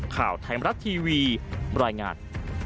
ข่าวไทยมรัฐทีวีบรรยายงาน